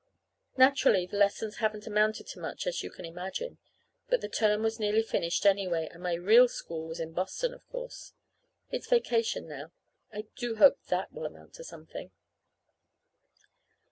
Naturally the lessons haven't amounted to much, as you can imagine. But the term was nearly finished, anyway; and my real school is in Boston, of course. It's vacation now. I do hope that will amount to something!